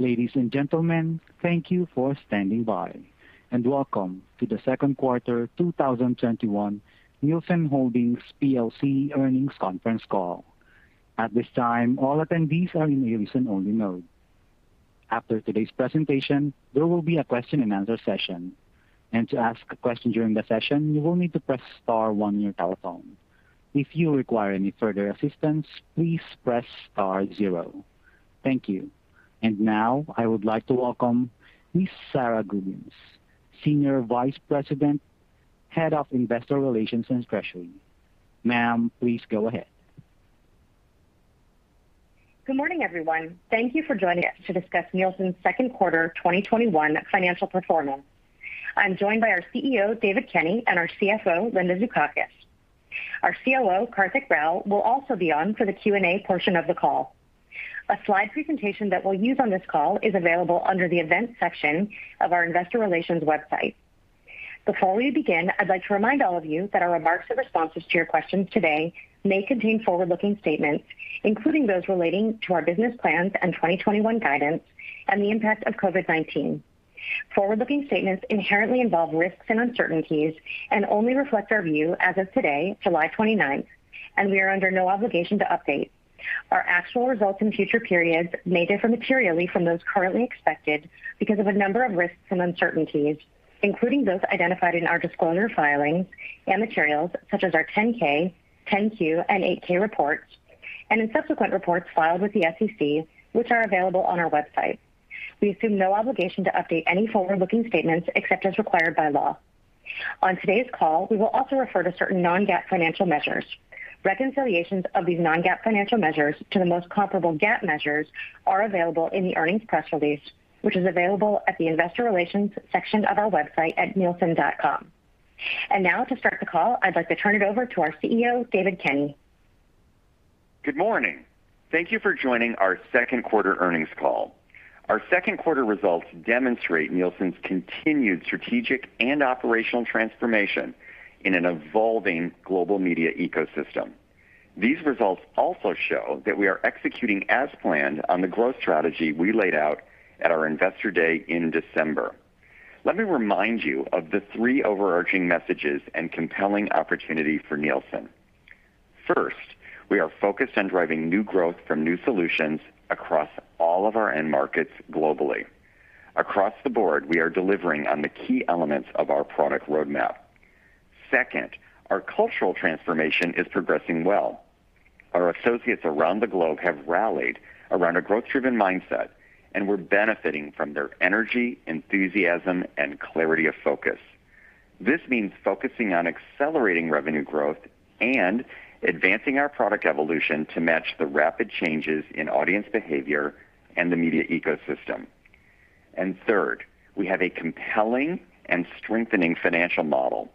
Ladies and gentlemen, thank you for standing by, and welcome to the second quarter 2021 Nielsen Holdings plc earnings conference call. At this time, all attendees are in a listen-only mode. After today's presentation, there will be a question-answer-session. And to ask a question during the session you'll need to press star one on your telephone. If you require any further assistance press star zero. Thank you. Now I would like to welcome Ms. Sara Gubins, Senior Vice President, Head of Investor Relations and Treasury. Ma'am, please go ahead. Good morning, everyone. Thank you for joining us to discuss Nielsen's second quarter 2021 financial performance. I'm joined by our CEO, David Kenny, and our CFO, Linda Zukauckas. Our COO, Karthik Rao, will also be on for the Q&A portion of the call. A slide presentation that we'll use on this call is available under the Events section of our investor relations website. Before we begin, I'd like to remind all of you that our remarks or responses to your questions today may contain forward-looking statements, including those relating to our business plans and 2021 guidance and the impact of COVID-19. Forward-looking statements inherently involve risks and uncertainties and only reflect our view as of today, July 29th, and we are under no obligation to update. Our actual results in future periods may differ materially from those currently expected because of a number of risks and uncertainties, including those identified in our disclosure filings and materials such as our 10-K, 10-Q, and 8-K reports, and in subsequent reports filed with the SEC, which are available on our website. We assume no obligation to update any forward-looking statements except as required by law. On today's call, we will also refer to certain non-GAAP financial measures. Reconciliations of these non-GAAP financial measures to the most comparable GAAP measures are available in the earnings press release, which is available at the investor relations section of our website at nielsen.com. Now to start the call, I'd like to turn it over to our CEO, David Kenny. Good morning. Thank you for joining our second quarter earnings call. Our second quarter results demonstrate Nielsen's continued strategic and operational transformation in an evolving global media ecosystem. These results also show that we are executing as planned on the growth strategy we laid out at our Investor Day in December. Let me remind you of the three overarching messages and compelling opportunity for Nielsen. First, we are focused on driving new growth from new solutions across all of our end markets globally. Across the board, we are delivering on the key elements of our product roadmap. Second, our cultural transformation is progressing well. Our associates around the globe have rallied around a growth-driven mindset, and we're benefiting from their energy, enthusiasm, and clarity of focus. This means focusing on accelerating revenue growth and advancing our product evolution to match the rapid changes in audience behavior and the media ecosystem. Third, we have a compelling and strengthening financial model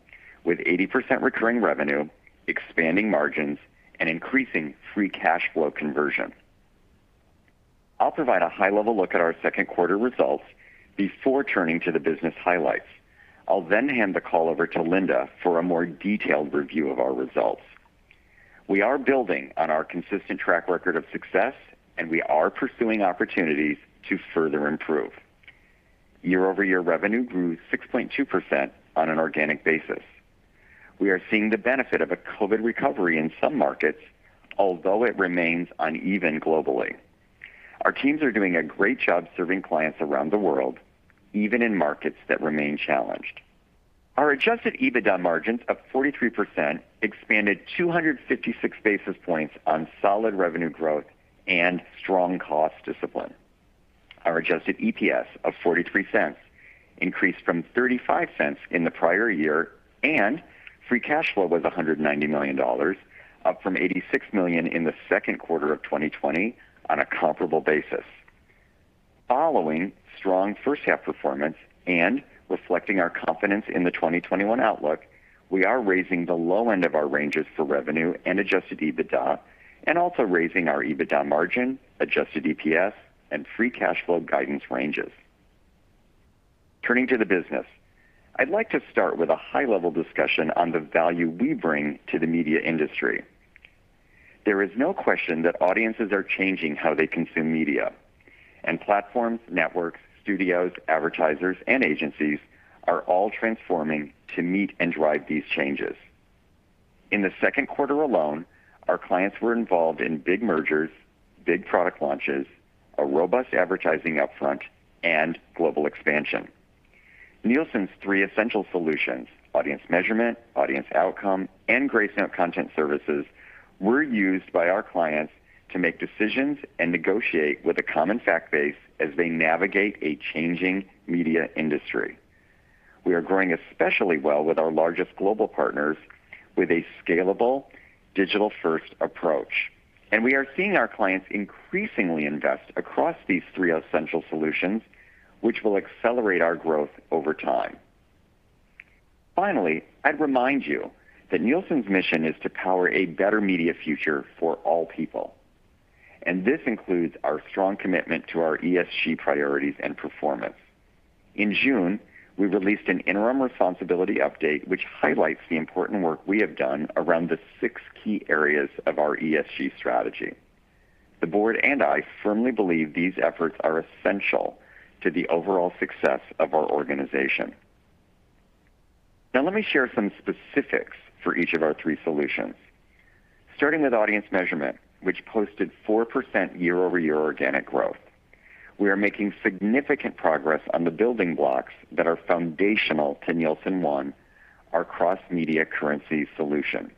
with 80% recurring revenue, expanding margins, and increasing free cash flow conversion. I'll provide a high-level look at our second quarter results before turning to the business highlights. I'll hand the call over to Linda for a more detailed review of our results. We are building on our consistent track record of success, we are pursuing opportunities to further improve. Year-over-year revenue grew 6.2% on an organic basis. We are seeing the benefit of a COVID recovery in some markets, although it remains uneven globally. Our teams are doing a great job serving clients around the world, even in markets that remain challenged. Our adjusted EBITDA margins of 43% expanded 256 basis points on solid revenue growth and strong cost discipline. Our adjusted EPS of $0.43 increased from $0.35 in the prior year. Free cash flow was $190 million, up from $86 million in the second quarter of 2020 on a comparable basis. Following strong first half performance and reflecting our confidence in the 2021 outlook, we are raising the low end of our ranges for revenue and adjusted EBITDA and also raising our EBITDA margin, adjusted EPS, and free cash flow guidance ranges. Turning to the business. I'd like to start with a high-level discussion on the value we bring to the media industry. There is no question that audiences are changing how they consume media. Platforms, networks, studios, advertisers, and agencies are all transforming to meet and drive these changes. In the second quarter alone, our clients were involved in big mergers, big product launches, a robust advertising upfront, and global expansion. Nielsen's three essential solutions, audience measurement, audience outcome, and Gracenote Content Services, were used by our clients to make decisions and negotiate with a common fact base as they navigate a changing media industry. We are growing especially well with our largest global partners with a scalable digital-first approach, we are seeing our clients increasingly invest across these three essential solutions, which will accelerate our growth over time. Finally, I'd remind you that Nielsen's mission is to power a better media future for all people, this includes our strong commitment to our ESG priorities and performance. In June, we released an interim responsibility update which highlights the important work we have done around the six key areas of our ESG strategy. The board and I firmly believe these efforts are essential to the overall success of our organization. Let me share some specifics for each of our three solutions. Starting with audience measurement, which posted 4% year-over-year organic growth. We are making significant progress on the building blocks that are foundational to Nielsen ONE, our cross-media currency solution.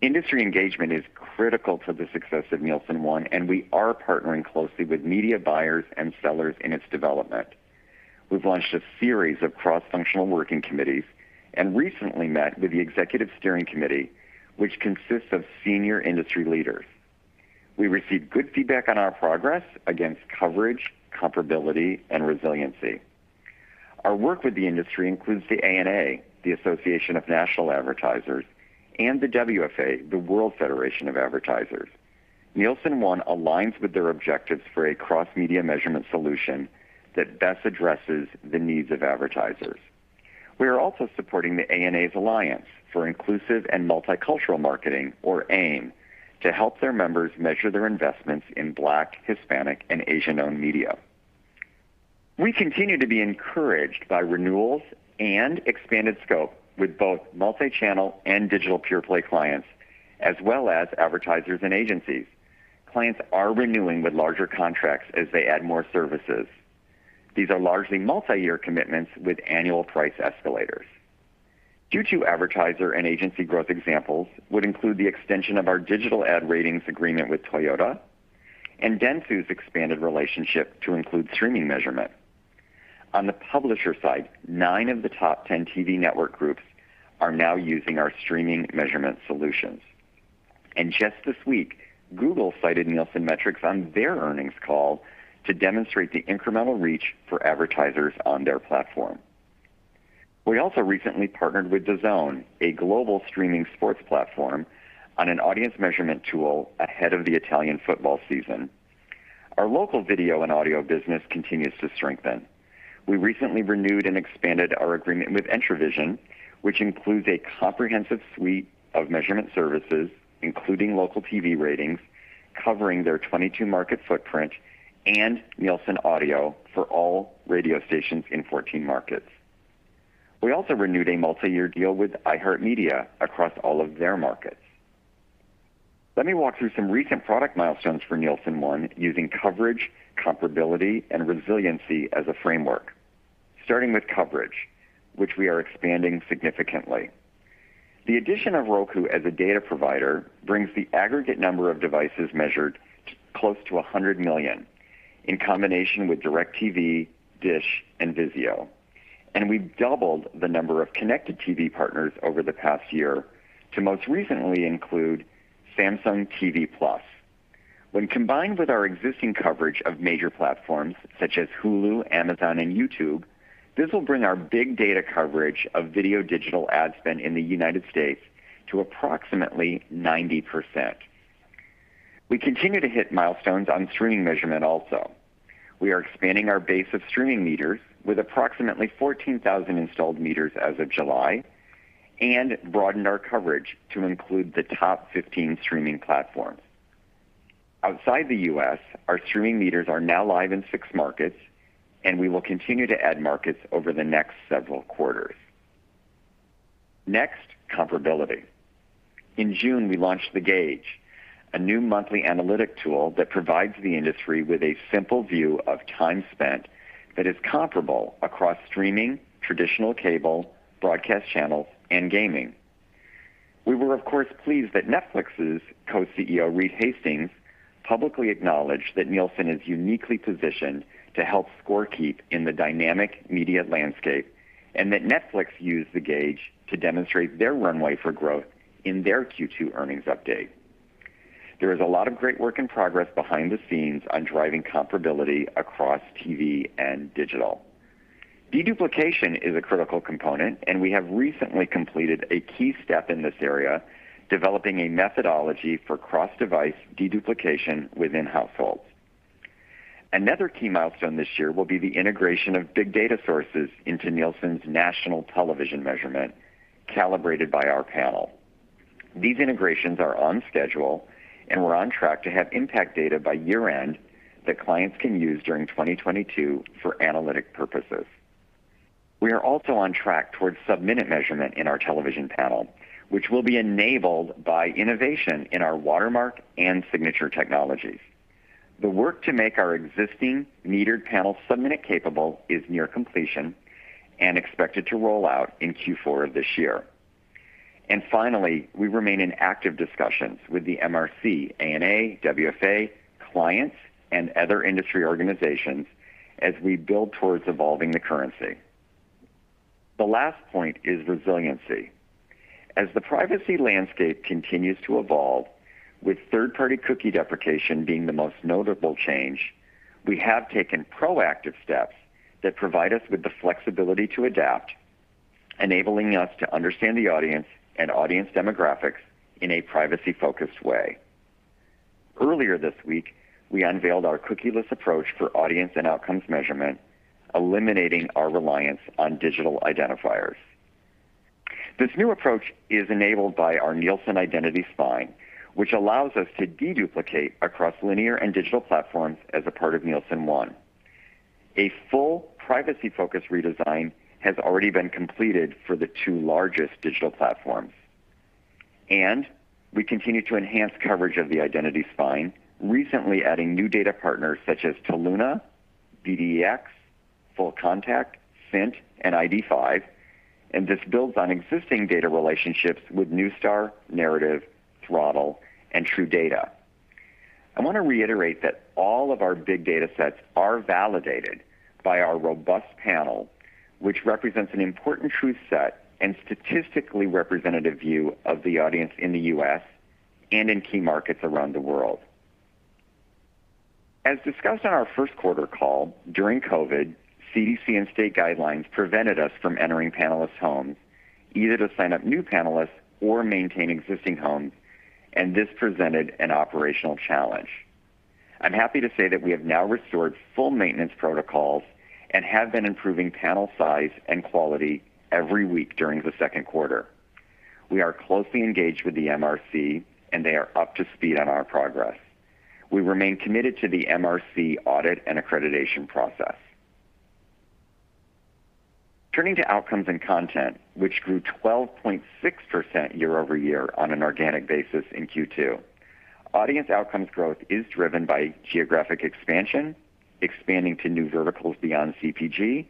Industry engagement is critical to the success of Nielsen ONE, and we are partnering closely with media buyers and sellers in its development. We've launched a series of cross-functional working committees and recently met with the executive steering committee, which consists of senior industry leaders. We received good feedback on our progress against coverage, comparability, and resiliency. Our work with the industry includes the ANA, the Association of National Advertisers, and the WFA, the World Federation of Advertisers. Nielsen ONE aligns with their objectives for a cross-media measurement solution that best addresses the needs of advertisers. We are also supporting the ANA's Alliance for Inclusive and Multicultural Marketing, or AIMM, to help their members measure their investments in Black, Hispanic, and Asian-owned media. We continue to be encouraged by renewals and expanded scope with both multichannel and digital pure-play clients, as well as advertisers and agencies. Clients are renewing with larger contracts as they add more services. These are largely multi-year commitments with annual price escalators. Q2 advertiser and agency growth examples would include the extension of our Digital Ad Ratings agreement with Toyota and Dentsu's expanded relationship to include streaming measurement. On the publisher side, nine of the top 10 TV network groups are now using our streaming measurement solutions. Just this week, Google cited Nielsen metrics on their earnings call to demonstrate the incremental reach for advertisers on their platform. We also recently partnered with DAZN, a global streaming sports platform, on an audience measurement tool ahead of the Italian football season. Our local video and audio business continues to strengthen. We recently renewed and expanded our agreement with Entravision, which includes a comprehensive suite of measurement services, including local TV ratings, covering their 22-market footprint and Nielsen Audio for all radio stations in 14 markets. We also renewed a multi-year deal with iHeartMedia across all of their markets. Let me walk through some recent product milestones for Nielsen ONE using coverage, comparability, and resiliency as a framework. Starting with coverage, which we are expanding significantly. The addition of Roku as a data provider brings the aggregate number of devices measured close to 100 million, in combination with DirecTV, Dish, and Vizio. We've doubled the number of connected TV partners over the past year to most recently include Samsung TV Plus. When combined with our existing coverage of major platforms such as Hulu, Amazon, and YouTube, this will bring our big data coverage of video digital ad spend in the U.S. to approximately 90%. We continue to hit milestones on streaming measurement also. We are expanding our base of streaming meters, with approximately 14,000 installed meters as of July, and broadened our coverage to include the top 15 streaming platforms. Outside the U.S., our streaming meters are now live in six markets, and we will continue to add markets over the next several quarters. Next, comparability. In June, we launched The Gauge, a new monthly analytic tool that provides the industry with a simple view of time spent that is comparable across streaming, traditional cable, broadcast channels, and gaming. We were, of course, pleased that Netflix's co-CEO, Reed Hastings, publicly acknowledged that Nielsen is uniquely positioned to help scorekeep in the dynamic media landscape and that Netflix used The Gauge to demonstrate their runway for growth in their Q2 earnings update. There is a lot of great work in progress behind the scenes on driving comparability across TV and digital. De-duplication is a critical component, and we have recently completed a key step in this area, developing a methodology for cross-device de-duplication within households. Another key milestone this year will be the integration of big data sources into Nielsen's national television measurement, calibrated by our panel. These integrations are on schedule, and we're on track to have impact data by year-end that clients can use during 2022 for analytic purposes. We are also on track towards sub-minute measurement in our television panel, which will be enabled by innovation in our Watermark and Signature technologies. The work to make our existing metered panel sub-minute capable is near completion and expected to roll out in Q4 of this year. Finally, we remain in active discussions with the MRC, ANA, WFA, clients, and other industry organizations as we build towards evolving the currency. The last point is resiliency. As the privacy landscape continues to evolve, with third-party cookie deprecation being the most notable change, we have taken proactive steps that provide us with the flexibility to adapt, enabling us to understand the audience and audience demographics in a privacy-focused way. Earlier this week, we unveiled our cookieless approach for audience and Outcomes measurement, eliminating our reliance on digital identifiers. This new approach is enabled by our Nielsen Identity System, which allows us to de-duplicate across linear and digital platforms as a part of Nielsen ONE. A full privacy focus redesign, has already been completed for the the two largest digital platforms and we continue to enhance coverage of the Identity System, recently adding new data partners such as Toluna, BDEx, FullContact, Cint, and ID5, and this builds on existing data relationships with Neustar, Narrative, Throtle, and TrueData. I want to reiterate that all of our big data sets are validated by our robust panel, which represents an important truth set and statistically representative view of the audience in the U.S. and in key markets around the world. As discussed on our first quarter call, during COVID, CDC and state guidelines prevented us from entering panelists' homes, either to sign up new panelists or maintain existing homes, and this presented an operational challenge. I'm happy to say that we have now restored full maintenance protocols and have been improving panel size and quality every week during the second quarter. We are closely engaged with the MRC, and they are up to speed on our progress. We remain committed to the MRC audit and accreditation process. Turning to Outcomes and Content, which grew 12.6% year-over-year on an organic basis in Q2. Audience outcomes growth is driven by geographic expansion, expanding to new verticals beyond CPG,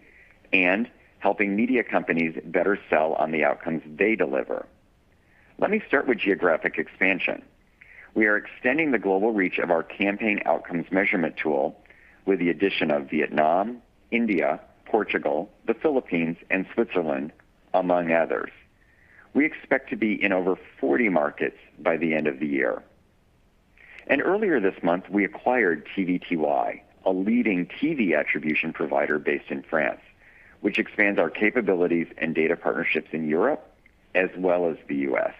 and helping media companies better sell on the outcomes they deliver. Let me start with geographic expansion. We are extending the global reach of our campaign outcomes measurement tool with the addition of Vietnam, India, Portugal, the Philippines, and Switzerland, among others. We expect to be in over 40 markets by the end of the year. Earlier this month, we acquired TVTY, a leading TV attribution provider based in France, which expands our capabilities and data partnerships in Europe as well as the U.S.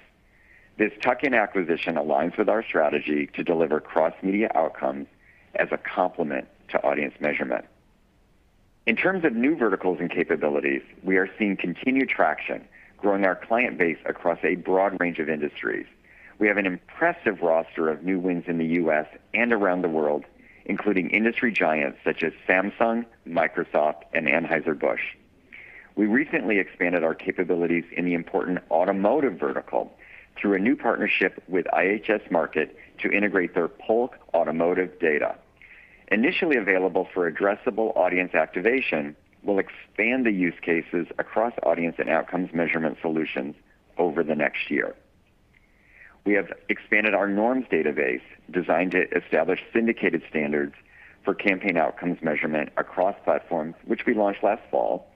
This tuck-in acquisition aligns with our strategy to deliver cross-media outcomes as a complement to audience measurement. In terms of new verticals and capabilities, we are seeing continued traction growing our client base across a broad range of industries. We have an impressive roster of new wins in the U.S. and around the world, including industry giants such as Samsung, Microsoft, and Anheuser-Busch. We recently expanded our capabilities in the important automotive vertical through a new partnership with IHS Markit to integrate their Polk automotive data. Initially available for addressable audience activation, we'll expand the use cases across audience and outcomes measurement solutions over the next year. We have expanded our norms database, designed to establish syndicated standards for campaign outcomes measurement across platforms, which we launched last fall,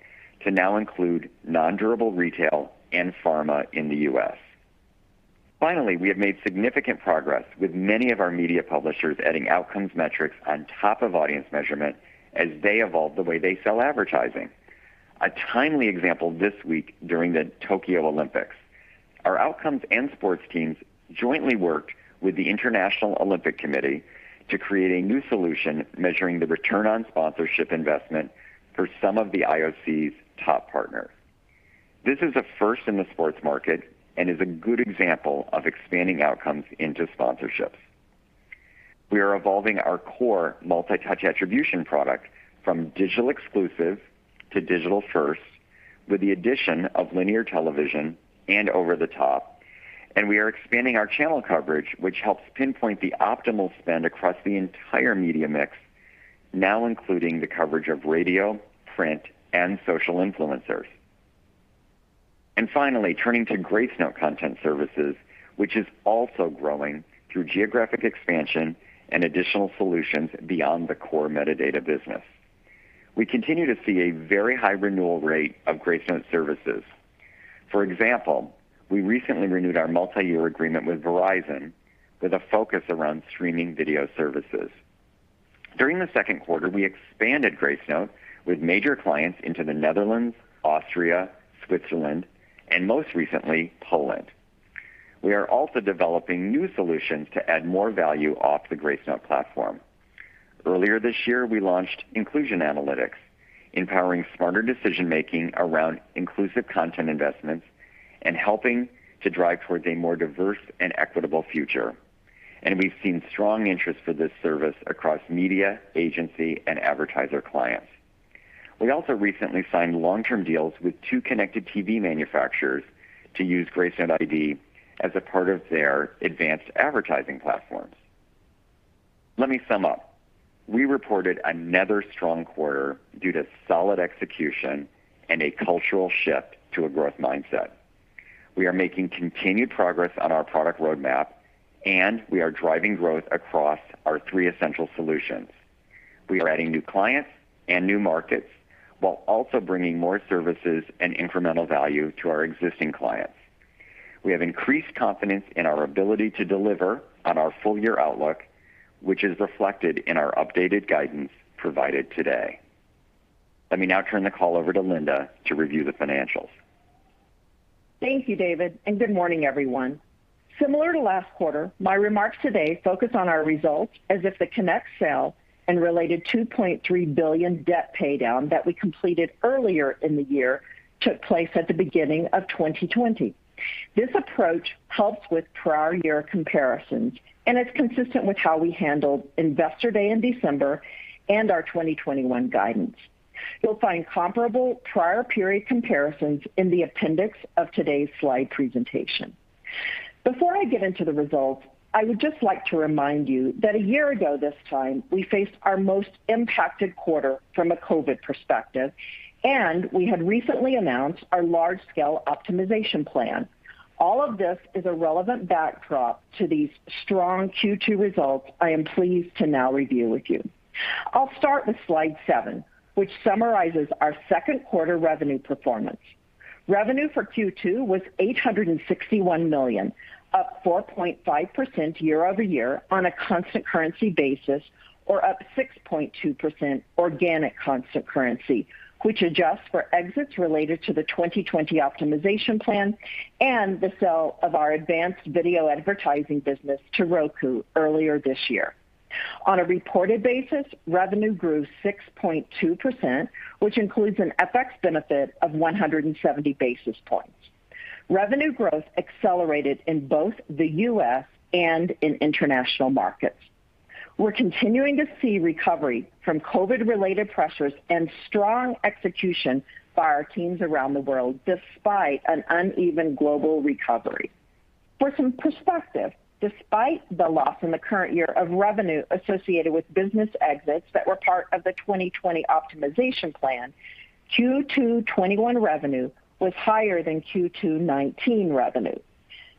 to now include non-durable retail and pharma in the U.S. Finally, we have made significant progress with many of our media publishers adding outcomes metrics on top of audience measurement as they evolve the way they sell advertising. A timely example this week during the Tokyo Olympics, our outcomes and sports teams jointly worked with the International Olympic Committee to create a new solution measuring the return on sponsorship investment for some of the IOC's top partners. This is a first in the sports market and is a good example of expanding outcomes into sponsorships. We are evolving our core multi-touch attribution product from digital exclusive to digital-first with the addition of linear television and over-the-top. We are expanding our channel coverage, which helps pinpoint the optimal spend across the entire media mix, now including the coverage of radio, print, and social influencers. Finally, turning to Gracenote Content Services, which is also growing through geographic expansion and additional solutions beyond the core metadata business. We continue to see a very high renewal rate of Gracenote services. For example, we recently renewed our multi-year agreement with Verizon with a focus around streaming video services. During the second quarter, we expanded Gracenote with major clients into the Netherlands, Austria, Switzerland, and most recently, Poland. We are also developing new solutions to add more value off the Gracenote platform. Earlier this year, we launched Inclusion Analytics, empowering smarter decision-making around inclusive content investments and helping to drive towards a more diverse and equitable future, and we've seen strong interest for this service across media, agency, and advertiser clients. We also recently signed long-term deals with two connected TV manufacturers to use Gracenote ID as a part of their advanced advertising platforms. Let me sum up. We reported another strong quarter due to solid execution and a cultural shift to a growth mindset. We are making continued progress on our product roadmap, and we are driving growth across our three essential solutions. We are adding new clients and new markets while also bringing more services and incremental value to our existing clients. We have increased confidence in our ability to deliver on our full-year outlook, which is reflected in our updated guidance provided today. Let me now turn the call over to Linda to review the financials. Thank you, David, and good morning, everyone. Similar to last quarter, my remarks today focus on our results as if the Connect sale and related $2.3 billion debt paydown that we completed earlier in the year took place at the beginning of 2020. This approach helps with prior year comparisons, and it's consistent with how we handled Investor Day in December and our 2021 guidance. You'll find comparable prior period comparisons in the appendix of today's slide presentation. Before I get into the results, I would just like to remind you that a year ago this time, we faced our most impacted quarter from a COVID perspective, and we had recently announced our large-scale optimization plan. All of this is a relevant backdrop to these strong Q2 results I am pleased to now review with you. I'll start with slide seven, which summarizes our second quarter revenue performance. Revenue for Q2 was $861 million, up 4.5% year-over-year on a constant currency basis or up 6.2% organic constant currency, which adjusts for exits related to the 2020 optimization plan and the sale of our Advanced Video Advertising business to Roku earlier this year. On a reported basis, revenue grew 6.2%, which includes an FX benefit of 170 basis points. Revenue growth accelerated in both the U.S. and in international markets. We're continuing to see recovery from COVID-related pressures and strong execution by our teams around the world, despite an uneven global recovery. For some perspective, despite the loss in the current year of revenue associated with business exits that were part of the 2020 optimization plan, Q2 2021 revenue was higher than Q2 2019 revenue.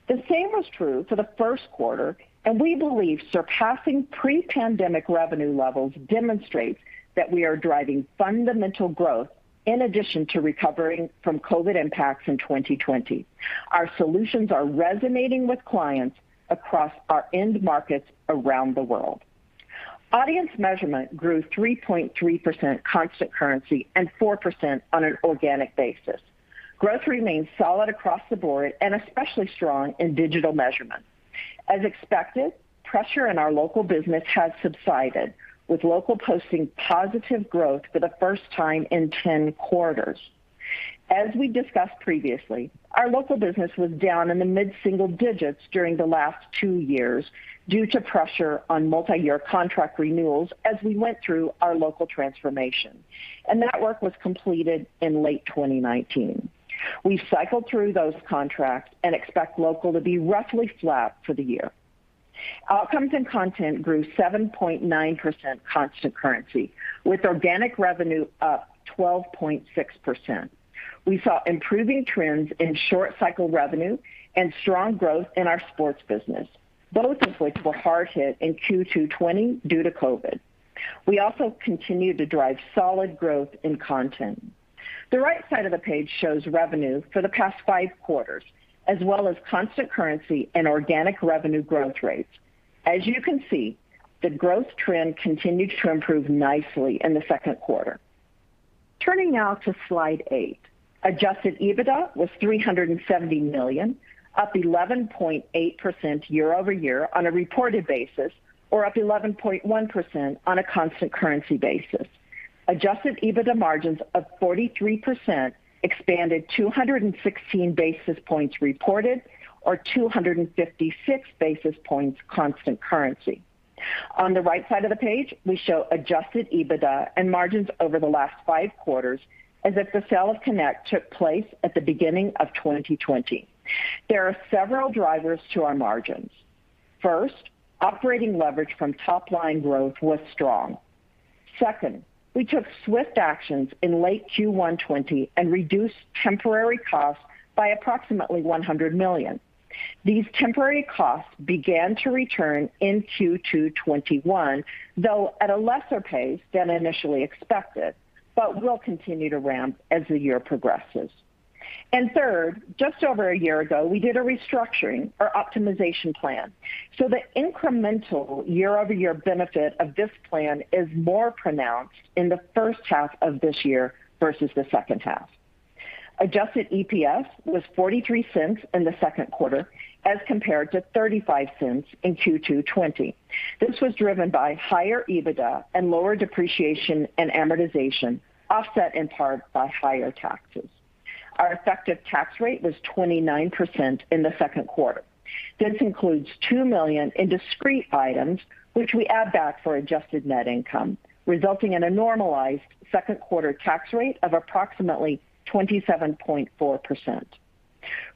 The same was true for the first quarter, and we believe surpassing pre-pandemic revenue levels demonstrates that we are driving fundamental growth in addition to recovering from COVID impacts in 2020. Our solutions are resonating with clients across our end markets around the world. Audience measurement grew 3.3% constant currency and 4% on an organic basis. Growth remains solid across the board and especially strong in digital measurement. As expected, pressure in our local business has subsided, with local posting positive growth for the first time in 10 quarters. As we discussed previously, our local business was down in the mid-single digits during the last two years due to pressure on multi-year contract renewals as we went through our local transformation, and that work was completed in late 2019. We cycled through those contracts and expect local to be roughly flat for the year. Outcomes in content grew 7.9% constant currency with organic revenue up 12.6%. We saw improving trends in short cycle revenue and strong growth in our sports business, both of which were hard hit in Q2 2020 due to COVID. We also continued to drive solid growth in content. The right side of the page shows revenue for the past five quarters, as well as constant currency and organic revenue growth rates. As you can see, the growth trend continued to improve nicely in the second quarter. Turning now to slide eight, Adjusted EBITDA was $370 million, up 11.8% year-over-year on a reported basis or up 11.1% on a constant currency basis. Adjusted EBITDA margins of 43% expanded 216 basis points reported or 256 basis points constant currency. On the right side of the page, we show adjusted EBITDA and margins over the last five quarters as if the sale of Connect took place at the beginning of 2020. There are several drivers to our margins. First, operating leverage from top-line growth was strong. Second, we took swift actions in late Q1 2020 and reduced temporary costs by approximately $100 million. These temporary costs began to return in Q2 2021, though at a lesser pace than initially expected, but will continue to ramp as the year progresses. Third, just over a year ago, we did a restructuring or optimization plan. The incremental year-over-year benefit of this plan is more pronounced in the first half of this year versus the second half. Adjusted EPS was $0.43 in the second quarter as compared to $0.35 in Q2 2020. This was driven by higher EBITDA and lower depreciation and amortization, offset in part by higher taxes. Our effective tax rate was 29% in the second quarter. This includes $2 million in discrete items, which we add back for adjusted net income, resulting in a normalized second quarter tax rate of approximately 27.4%.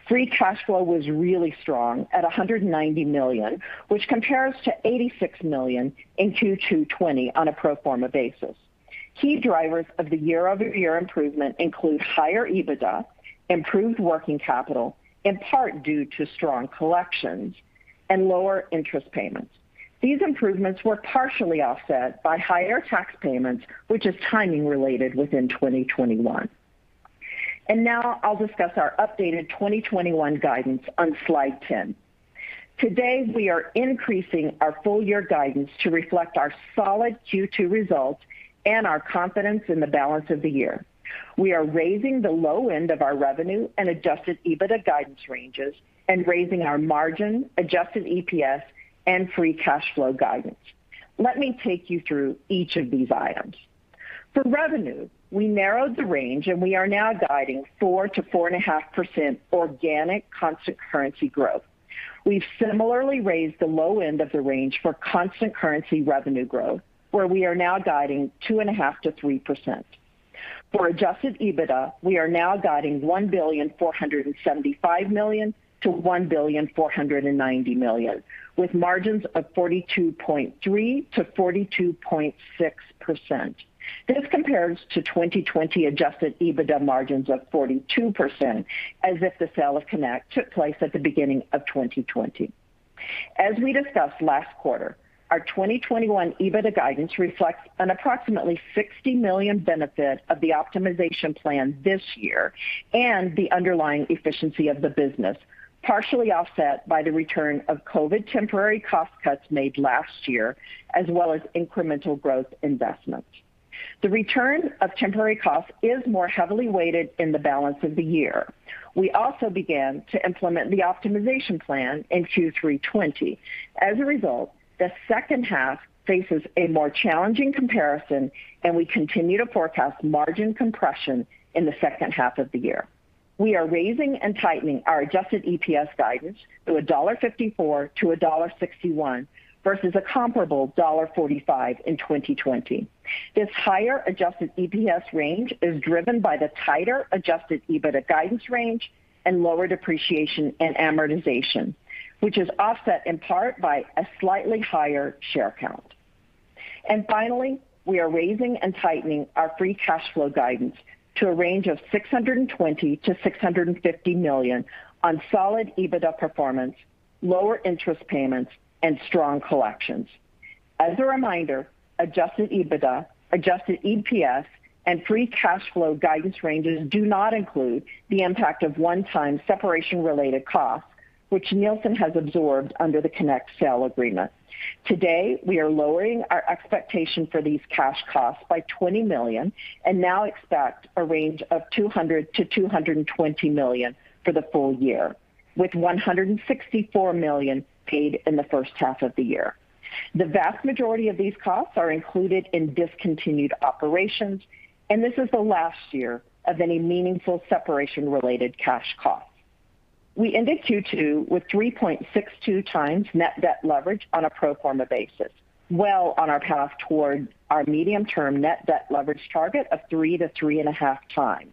Free cash flow was really strong at $190 million, which compares to $86 million in Q2 2020 on a pro forma basis. Key drivers of the year-over-year improvement include higher EBITDA, improved working capital, in part due to strong collections, and lower interest payments. These improvements were partially offset by higher tax payments, which is timing related within 2021. Now I'll discuss our updated 2021 guidance on slide 10. Today, we are increasing our full-year guidance to reflect our solid Q2 results and our confidence in the balance of the year. We are raising the low end of our revenue and adjusted EBITDA guidance ranges and raising our margin, adjusted EPS, and free cash flow guidance. Let me take you through each of these items. For revenue, we narrowed the range, and we are now guiding 4%-4.5% organic constant currency growth. We've similarly raised the low end of the range for constant currency revenue growth, where we are now guiding 2.5%-3%. For adjusted EBITDA, we are now guiding $1.475 billion-$1.490 billion, with margins of 42.3%-42.6%. This compares to 2020 adjusted EBITDA margins of 42%, as if the sale of Connect took place at the beginning of 2020. As we discussed last quarter, our 2021 EBITDA guidance reflects an approximately $60 million benefit of the optimization plan this year and the underlying efficiency of the business, partially offset by the return of COVID temporary cost cuts made last year, as well as incremental growth investments. The return of temporary costs is more heavily weighted in the balance of the year. We also began to implement the optimization plan in Q3 2020. As a result, the second half faces a more challenging comparison, and we continue to forecast margin compression in the second half of the year. We are raising and tightening our adjusted EPS guidance to $1.54-$1.61 versus a comparable $1.45 in 2020. This higher adjusted EPS range is driven by the tighter adjusted EBITDA guidance range and lower depreciation and amortization, which is offset in part by a slightly higher share count. Finally, we are raising and tightening our free cash flow guidance to a range of $620 million-$650 million on solid EBITDA performance, lower interest payments, and strong collections. As a reminder, adjusted EBITDA, adjusted EPS, and free cash flow guidance ranges do not include the impact of one-time separation-related costs, which Nielsen has absorbed under the Connect sale agreement. Today, we are lowering our expectation for these cash costs by $20 million and now expect a range of $200 million-$220 million for the full year, with $164 million paid in the first half of the year. The vast majority of these costs are included in discontinued operations, this is the last year of any meaningful separation-related cash costs. We ended Q2 with 3.62x net debt leverage on a pro forma basis, well on our path toward our medium-term net debt leverage target of 3x to 3.5x.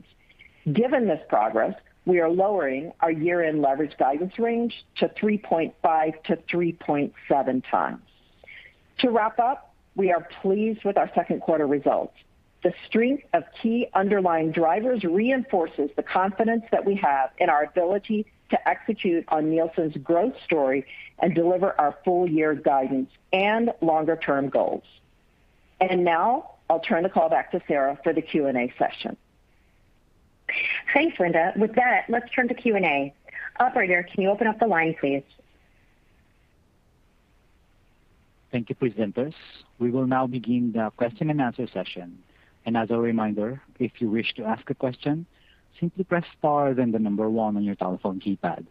Given this progress, we are lowering our year-end leverage guidance range to 3.5x to 3.7x. To wrap up, we are pleased with our second quarter results. The strength of key underlying drivers reinforces the confidence that we have in our ability to execute on Nielsen's growth story and deliver our full year guidance and longer-term goals. Now I'll turn the call back to Sara for the Q&A session. Thanks, Linda. With that, let's turn to Q&A. Operator, can you open up the line, please? Thank you, presenters. We will now begin the question-and answer-session. As a reminder, if you wish to ask a question, simply press star then number one on your telephone keypad.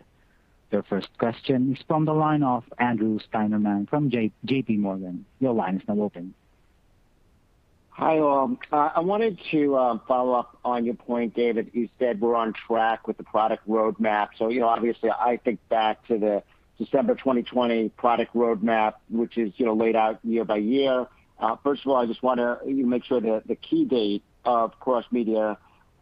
Your first question is from the line of Andrew Steinerman from JPMorgan. Your line is now open. Hi, all. I wanted to follow up on your point, David. You said we're on track with the product roadmap. Obviously, I think back to the December 2020 product roadmap, which is laid out year-by-year. First of all, I just want to make sure the key date of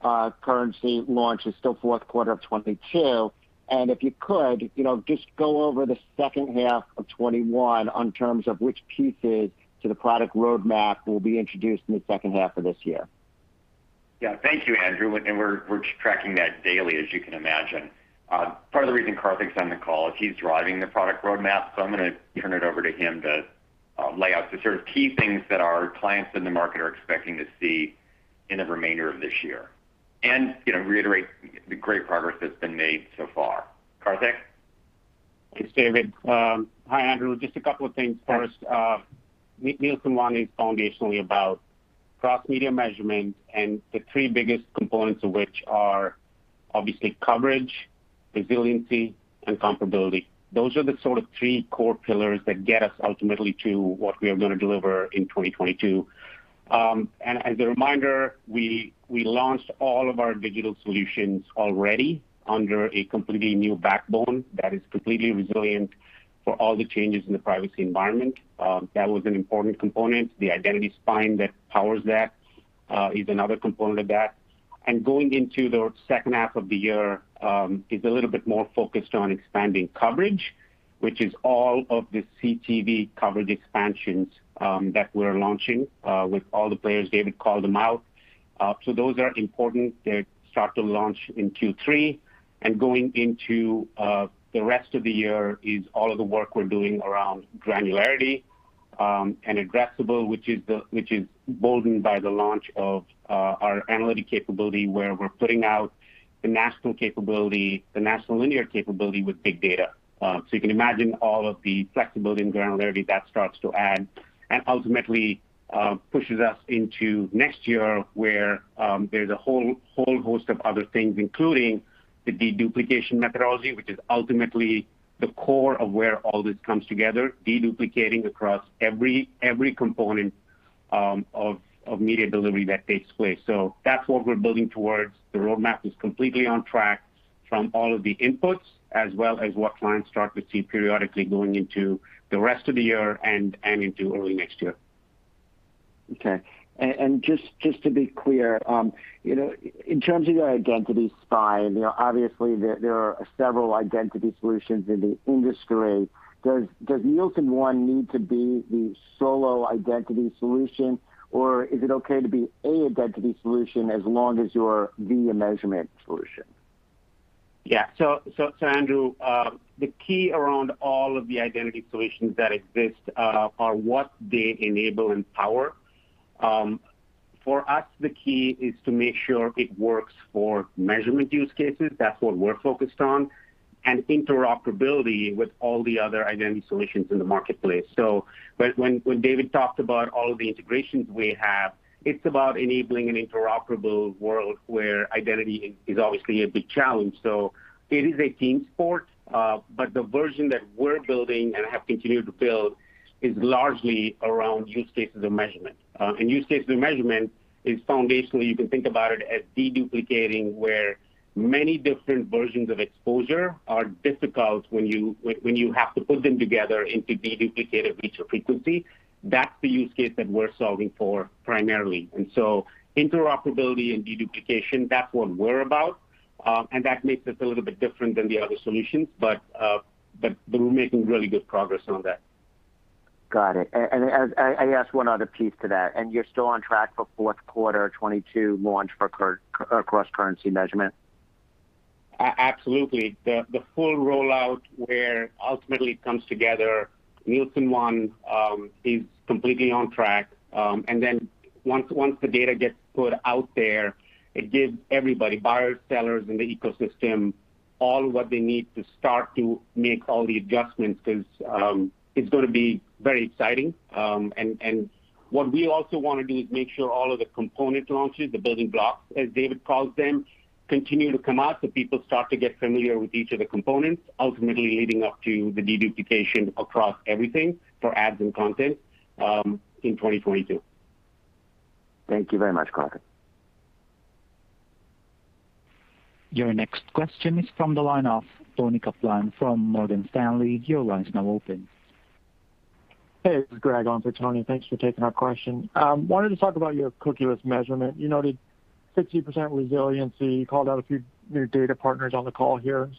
cross-media currency launch is still fourth quarter of 2022. If you could, just go over the second half of 2021 in terms of which pieces to the product roadmap will be introduced in the second half of this year. Thank you, Andrew. We're tracking that daily, as you can imagine. Part of the reason Karthik's on the call is he's driving the product roadmap. I'm going to turn it over to him to lay out the sort of key things that our clients in the market are expecting to see in the remainder of this year and reiterate the great progress that's been made so far. Karthik? Thanks, David. Hi, Andrew. Just a couple of things first. Nielsen ONE is foundationally about cross-media measurement. The three biggest components of which are obviously coverage, resiliency, and comparability. Those are the sort of three core pillars that get us ultimately to what we are going to deliver in 2022. As a reminder, we launched all of our digital solutions already under a completely new backbone that is completely resilient for all the changes in the privacy environment. That was an important component. The identity spine that powers that is another component of that. Going into the second half of the year is a little bit more focused on expanding coverage, which is all of the CTV coverage expansions that we're launching with all the players. David called them out. Those are important. They start to launch in Q3. Going into the rest of the year is all of the work we're doing around granularity and addressable, which is boldened by the launch of our analytic capability, where we're putting out the national linear capability with big data. You can imagine all of the flexibility and granularity that starts to add and ultimately pushes us into next year, where there's a whole host of other things, including the de-duplication methodology, which is ultimately the core of where all this comes together, de-duplicating across every component of media delivery that takes place. That's what we're building towards. The roadmap is completely on track from all of the inputs as well as what clients start to see periodically going into the rest of the year and into early next year. Okay. Just to be clear, in terms of your identity spine, obviously there are several identity solutions in the industry. Does Nielsen ONE need to be the solo identity solution, or is it okay to be a identity solution as long as you're the measurement solution? Yeah. Andrew, the key around all of the identity solutions that exist are what they enable and power. For us, the key is to make sure it works for measurement use cases. That's what we're focused on, and interoperability with all the other identity solutions in the marketplace. When David talked about all of the integrations we have, it's about enabling an interoperable world where identity is obviously a big challenge. It is a team sport. The version that we're building and have continued to build is largely around use cases of measurement. Use cases of measurement is foundationally, you can think about it as de-duplicating, where many different versions of exposure are difficult when you have to put them together into de-duplicated reach and frequency. That's the use case that we're solving for primarily. Interoperability and de-duplication, that's what we're about. That makes us a little bit different than the other solutions. We're making really good progress on that. Got it. I guess one other piece to that, and you're still on track for fourth quarter 2022 launch for cross-currency measurement? Absolutely. The full rollout where ultimately it comes together, Nielsen ONE is completely on track. Then once the data gets put out there, it gives everybody, buyers, sellers in the ecosystem, all what they need to start to make all the adjustments, because it's going to be very exciting. What we also want to do is make sure all of the component launches, the building blocks, as David calls them, continue to come out, so people start to get familiar with each of the components, ultimately leading up to the de-duplication across everything for ads and content in 2022. Thank you very much, Karthik. Your next question is from the line of Toni Kaplan from Morgan Stanley. Your line's now open. Hey, this is Greg on for Toni. Thanks for taking our question. Wanted to talk about your cookieless measurement. You noted 60% resiliency. You called out a few new data partners on the call here.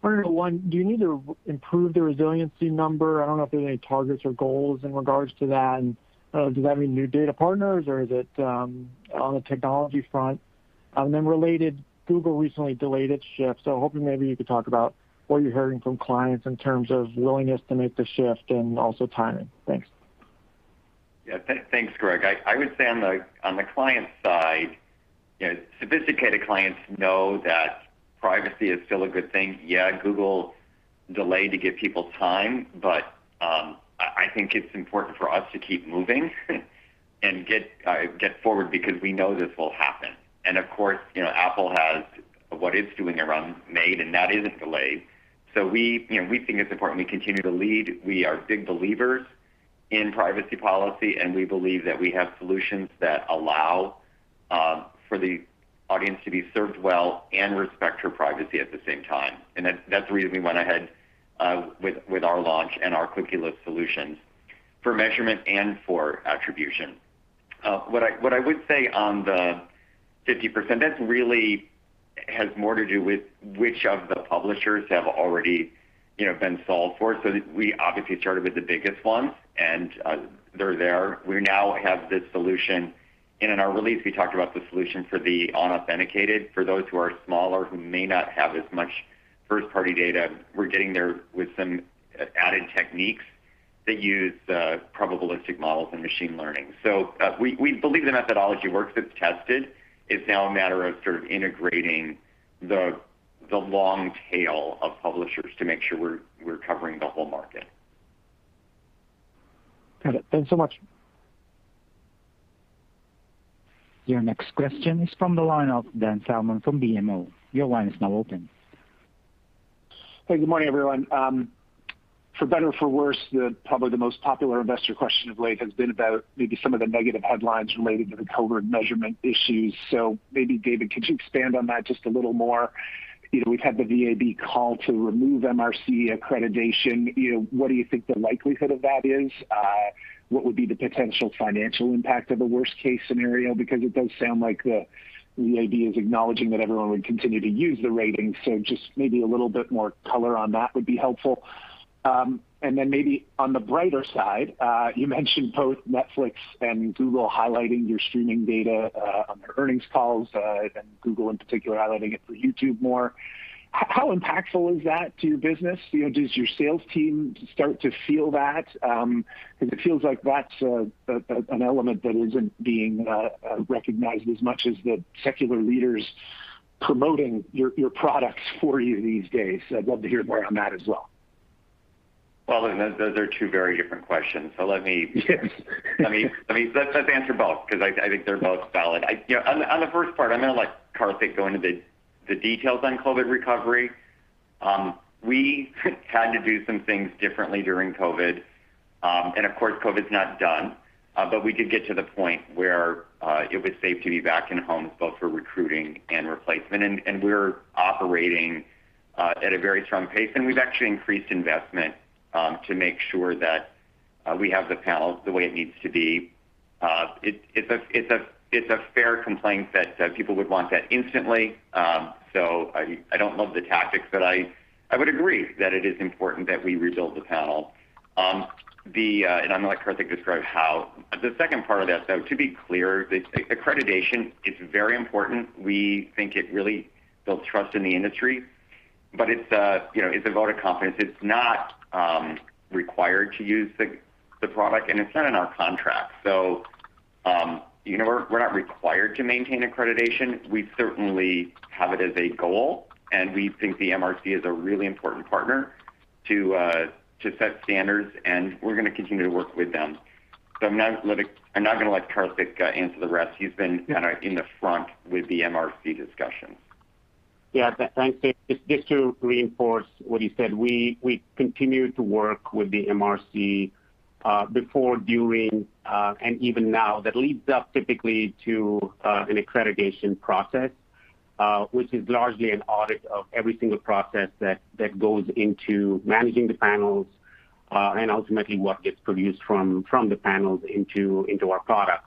Wondering, one, do you need to improve the resiliency number? I don't know if there are any targets or goals in regards to that. Does that mean new data partners, or is it on the technology front? Related, Google recently delayed its shift, hoping maybe you could talk about what you're hearing from clients in terms of willingness to make the shift and also timing. Thanks. Yeah. Thanks, Greg. I would say on the client side, sophisticated clients know that privacy is still a good thing. Yeah, Google delayed to give people time, I think it's important for us to keep moving and get forward because we know this will happen. Of course, Apple has what it's doing around IDFA, and that isn't delayed. We think it's important we continue to lead. We are big believers in privacy policy, and we believe that we have solutions that allow for the audience to be served well and respect her privacy at the same time. That's the reason we went ahead with our launch and our cookieless solutions for measurement and for attribution. What I would say on the 50%, that really has more to do with which of the publishers have already been solved for. We obviously started with the biggest ones, and they're there. We now have the solution, and in our release, we talked about the solution for the unauthenticated. For those who are smaller, who may not have as much first-party data, we're getting there with some added techniques that use probabilistic models and machine learning. We believe the methodology works. It's tested. It's now a matter of sort of integrating the long tail of publishers to make sure we're covering the whole market. Got it. Thanks so much. Your next question is from the line of Dan Salmon from BMO. Your line is now open. Hey, good morning, everyone. For better or for worse, probably the most popular investor question of late has been about maybe some of the negative headlines related to the COVID measurement issues. Maybe, David, could you expand on that just a little more? We've had the VAB call to remove MRC accreditation. What do you think the likelihood of that is? What would be the potential financial impact of a worst-case scenario? It does sound like the VAB is acknowledging that everyone would continue to use the ratings. Just maybe a little bit more color on that would be helpful. Maybe on the brighter side, you mentioned both Netflix and Google highlighting your streaming data on their earnings calls, and Google in particular highlighting it for YouTube more. How impactful is that to your business? Does your sales team start to feel that? It feels like that's an element that isn't being recognized as much as the secular leaders promoting your products for you these days. I'd love to hear more on that as well. Well, those are two very different questions. Yes. Let's answer both, because I think they're both valid. On the first part, I'm going to let Karthik go into the details on COVID recovery. We had to do some things differently during COVID. Of course, COVID's not done. We did get to the point where it was safe to be back in homes, both for recruiting and replacement. We're operating at a very strong pace, and we've actually increased investment to make sure that we have the panels the way it needs to be. It's a fair complaint that people would want that instantly. I don't love the tactics, but I would agree that it is important that we rebuild the panel. I'm going to let Karthik describe how. The second part of that, though, to be clear, accreditation is very important. We think it really builds trust in the industry. It's a vote of confidence. It's not required to use the product, and it's not in our contract. We're not required to maintain accreditation. We certainly have it as a goal, and we think the MRC is a really important partner to set standards, and we're going to continue to work with them. I'm now going to let Karthik answer the rest kind of in the front with the MRC discussion. Yeah. Thanks, Dave. Just to reinforce what he said, we continue to work with the MRC, before, during, and even now. That leads up typically to an accreditation process, which is largely an audit of every single process that goes into managing the panels, and ultimately what gets produced from the panels into our products.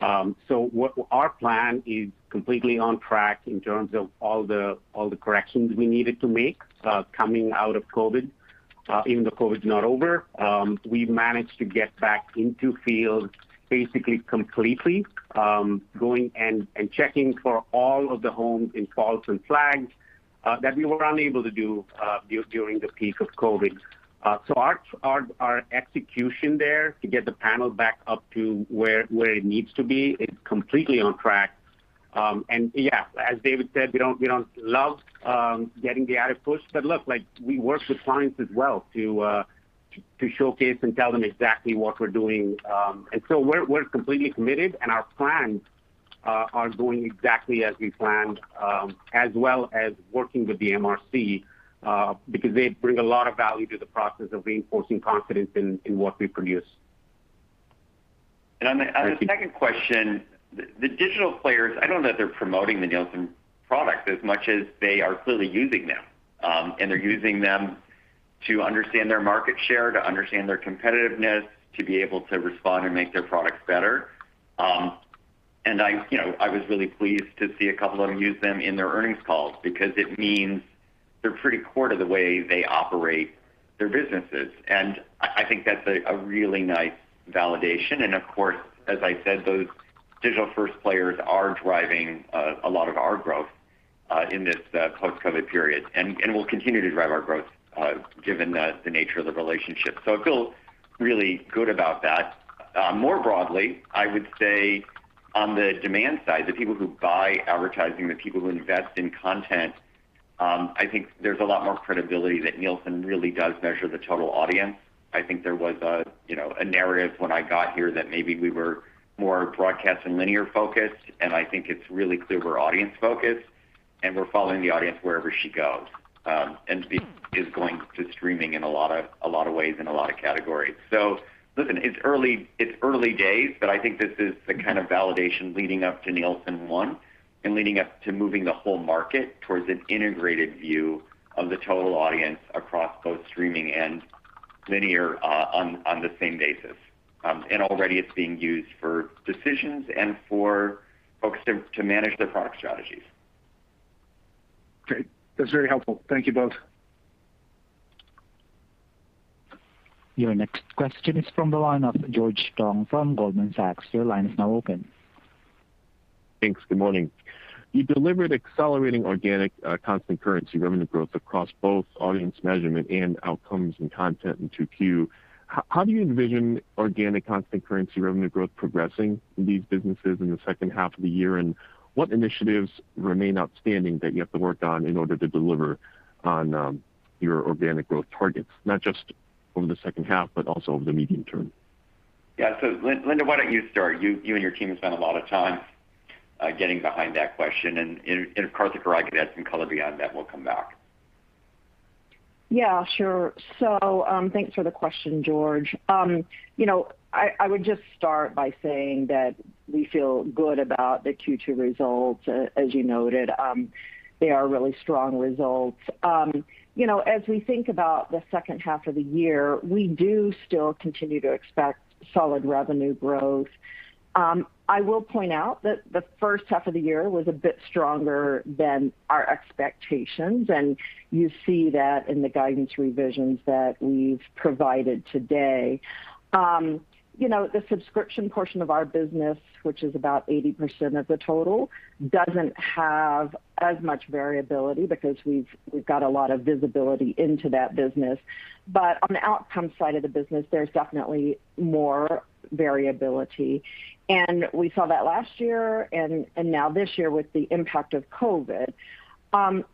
Our plan is completely on track in terms of all the corrections we needed to make coming out of COVID, even though COVID's not over. We've managed to get back into field basically completely, going and checking for all of the homes and faults and flags that we were unable to do during the peak of COVID. Our execution there to get the panel back up to where it needs to be, it's completely on track. Yeah, as David said, we don't love getting the out of push, but look, we work with clients as well to showcase and tell them exactly what we're doing. So we're completely committed, and our plans are going exactly as we planned, as well as working with the MRC, because they bring a lot of value to the process of reinforcing confidence in what we produce. On the second question, the digital players, I don't know that they're promoting the Nielsen product as much as they are clearly using them. They're using them to understand their market share, to understand their competitiveness, to be able to respond and make their products better. I was really pleased to see a couple of them use them in their earnings calls because it means they're pretty core to the way they operate their businesses. I think that's a really nice validation. Of course, as I said, those digital-first players are driving a lot of our growth in this post-COVID period and will continue to drive our growth given the nature of the relationship. I feel really good about that. More broadly, I would say on the demand side, the people who buy advertising, the people who invest in content, I think there's a lot more credibility that Nielsen really does measure the total audience. I think there was a narrative when I got here that maybe we were more broadcast and linear focused, and I think it's really clear we're audience focused, and we're following the audience wherever she goes. Is going to streaming in a lot of ways, in a lot of categories. Listen, it's early days, but I think this is the kind of validation leading up to Nielsen ONE and leading up to moving the whole market towards an integrated view of the total audience across both streaming and linear on the same basis. Already it's being used for decisions and for folks to manage their product strategies. Great. That's very helpful. Thank you both. Your next question is from the line of George Tong from Goldman Sachs. Your line is now open. Thanks. Good morning. You delivered accelerating organic constant currency revenue growth across both audience measurement and outcomes and content in 2Q. How do you envision organic constant currency revenue growth progressing in these businesses in the second half of the year? What initiatives remain outstanding that you have to work on in order to deliver on your organic growth targets, not just over the second half, but also over the medium-term? Yeah. Linda, why don't you start? You and your team have spent a lot of time getting behind that question. If Karthik or I could add some color beyond that, we'll come back. Yeah, sure. Thanks for the question, George. I would just start by saying that we feel good about the Q2 results. As you noted, they are really strong results. As we think about the second half of the year, we do still continue to expect solid revenue growth. I will point out that the first half of the year was a bit stronger than our expectations, and you see that in the guidance revisions that we've provided today. The subscription portion of our business, which is about 80% of the total, doesn't have as much variability because we've got a lot of visibility into that business. On the outcome side of the business, there's definitely more variability. We saw that last year and now this year with the impact of COVID.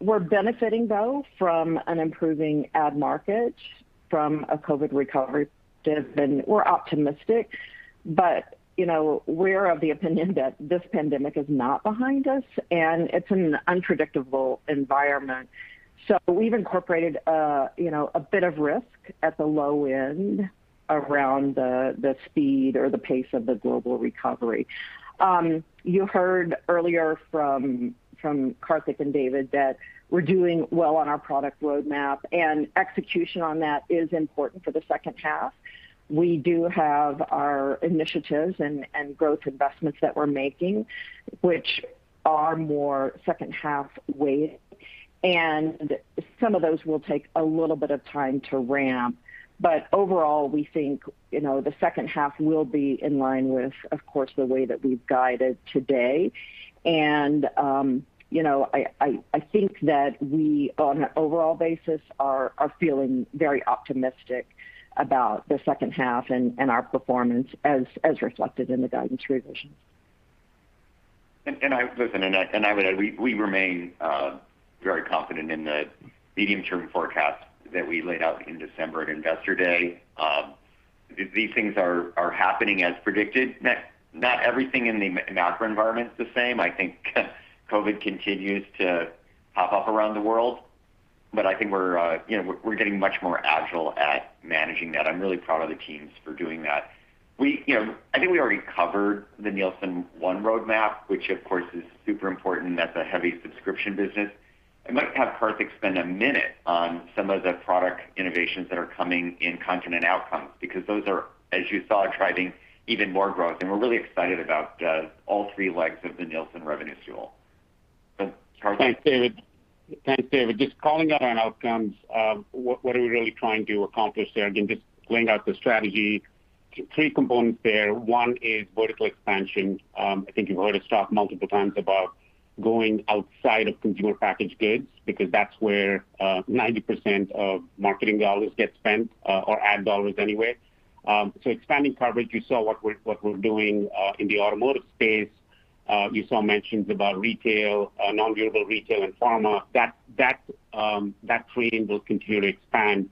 We're benefiting, though, from an improving ad market, from a COVID recovery. We're optimistic, but we're of the opinion that this pandemic is not behind us, it's an unpredictable environment. We've incorporated a bit of risk at the low end around the speed or the pace of the global recovery. You heard earlier from Karthik and David that we're doing well on our product roadmap, execution on that is important for the second half. We do have our initiatives and growth investments that we're making, which are more second-half weighted, some of those will take a little bit of time to ramp. Overall, we think the second half will be in line with, of course, the way that we've guided today. I think that we, on an overall basis, are feeling very optimistic about the second half and our performance as reflected in the guidance revisions. Listen, and I would add, we remain very confident in the medium-term forecast that we laid out in December at Investor Day. These things are happening as predicted. Not everything in the macro environment is the same. I think COVID continues to pop up around the world, but I think we're getting much more agile at managing that. I'm really proud of the teams for doing that. I think we already covered the Nielsen ONE roadmap, which of course is super important. That's a heavy subscription business. I might have Karthik spend a minute on some of the product innovations that are coming in Content and Outcomes, because those are, as you saw, driving even more growth. We're really excited about all three legs of the Nielsen revenue stool. Karthik. Thanks, David. Just calling out on outcomes, what are we really trying to accomplish there? Again, just laying out the strategy, three components there. One is vertical expansion. I think you've heard us talk multiple times about going outside of consumer packaged goods, because that's where 90% of marketing dollars get spent, or ad dollars anyway. Expanding coverage, you saw what we're doing in the automotive space. You saw mentions about retail, non-durable retail, and pharma. That creating will continue to expand.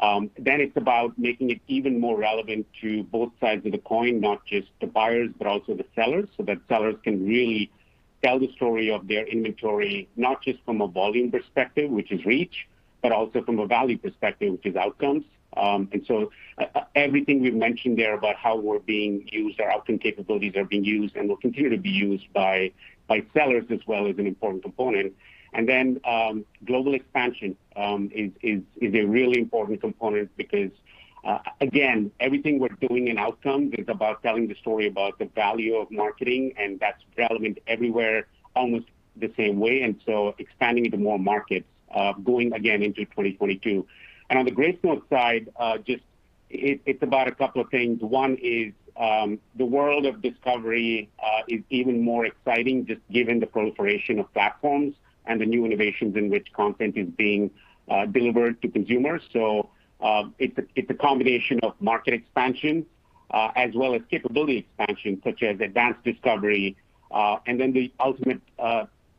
It's about making it even more relevant to both sides of the coin, not just the buyers, but also the sellers, so that sellers can really tell the story of their inventory, not just from a volume perspective, which is reach, but also from a value perspective, which is outcomes. Everything we've mentioned there about how we're being used, our outcome capabilities are being used and will continue to be used by sellers as well as an important component. Then global expansion is a really important component because, again, everything we're doing in outcomes is about telling the story about the value of marketing, and that's relevant everywhere, almost the same way, expanding into more markets, going again into 2022. On the Gracenote side, it's about a couple of things. One is the world of discovery is even more exciting just given the proliferation of platforms and the new innovations in which content is being delivered to consumers. It's a combination of market expansion as well as capability expansion, such as advanced discovery. The ultimate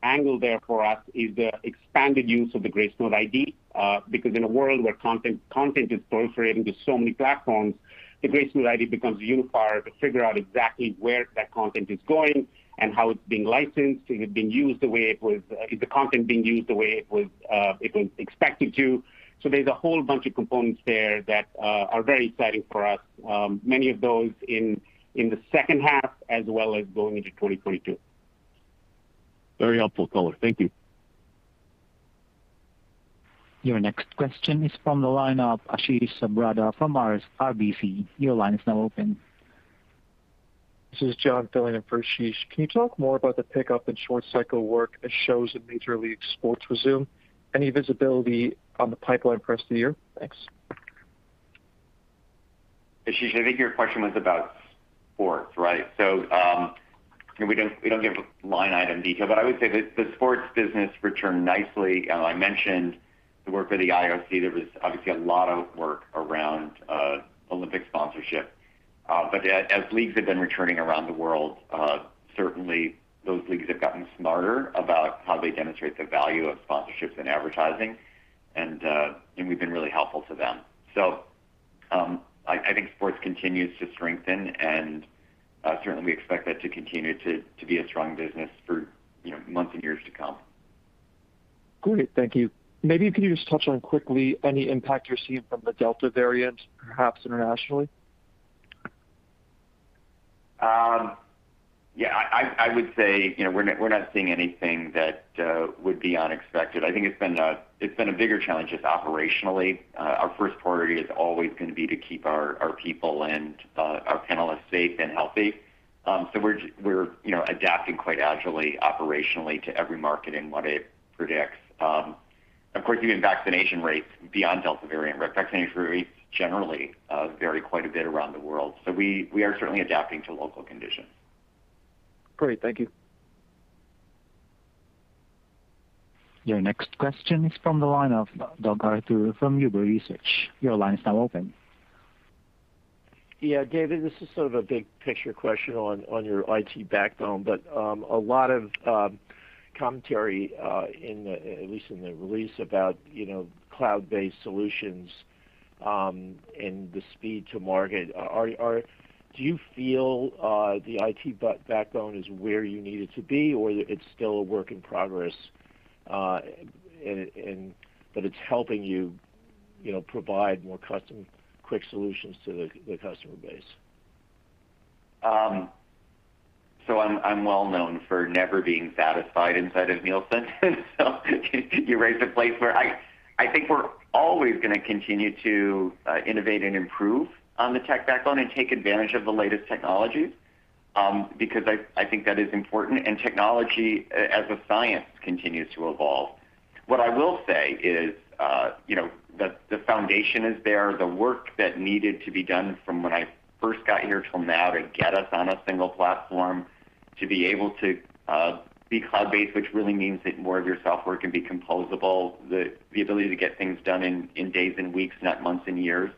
angle there for us is the expanded use of the Gracenote ID, because in a world where content is proliferating to so many platforms, the Gracenote ID becomes unifying to figure out exactly where that content is going and how it's being licensed, if the content being used the way it was expected to. There's a whole bunch of components there that are very exciting for us. Many of those in the second half, as well as going into 2022. Very helpful, Karthik. Thank you. Your next question is from the line of Ashish Sabadra from RBC. Your line is now open. This is John filling in for Ashish. Can you talk more about the pickup in short-cycle work as shows and major league sports resume? Any visibility on the pipeline for rest of the year? Thanks. Ashish, I think your question was about sports, right? We don't give line item detail, but I would say the sports business returned nicely. I mentioned the work for the IOC. There was obviously a lot of work around Olympic sponsorship. As leagues have been returning around the world, certainly those leagues have gotten smarter about how they demonstrate the value of sponsorships and advertising, and we've been really helpful to them. I think sports continues to strengthen, and certainly we expect that to continue to be a strong business for months and years to come. Great. Thank you. Maybe can you just touch on quickly any impact you're seeing from the Delta variant, perhaps internationally? I would say we're not seeing anything that would be unexpected. I think it's been a bigger challenge just operationally. Our first priority is always going to be to keep our people and our panelists safe and healthy. We're adapting quite agilely, operationally to every market and what it predicts. Of course, even vaccination rates beyond Delta variant, vaccination rates generally vary quite a bit around the world. We are certainly adapting to local conditions. Great. Thank you. Your next question is from the line of Doug Arthur from Huber Research. Your line is now open. Yeah. David, this is sort of a big picture question on your IT backbone, but a lot of commentary, at least in the release about cloud-based solutions and the speed to market. Do you feel the IT backbone is where you need it to be, or it's still a work in progress, but it's helping you provide more custom, quick solutions to the customer base? I'm well known for never being satisfied inside of Nielsen. You raise a place where I think we're always going to continue to innovate and improve on the tech backbone and take advantage of the latest technologies, because I think that is important, and technology as a science continues to evolve. What I will say is the foundation is there, the work that needed to be done from when I first got here till now to get us on a single platform, to be able to be cloud-based, which really means that more of your software can be composable. The ability to get things done in days and weeks, not months and years.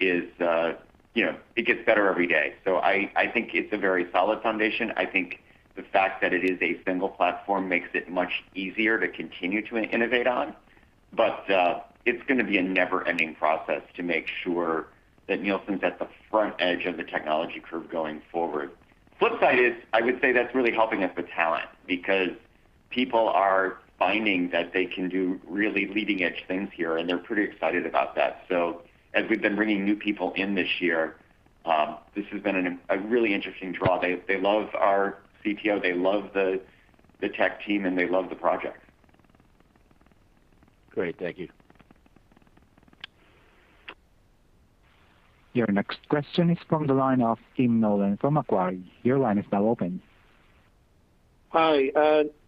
It gets better every day. I think it's a very solid foundation. I think the fact that it is a single platform makes it much easier to continue to innovate on. It's going to be a never-ending process to make sure that Nielsen's at the front edge of the technology curve going forward. Flip side is, I would say that's really helping us with talent because people are finding that they can do really leading-edge things here, and they're pretty excited about that. As we've been bringing new people in this year, this has been a really interesting draw. They love our CTO, they love the tech team, and they love the project. Great. Thank you. Your next question is from the line of Tim Nollen from Macquarie. Your line is now open. Hi.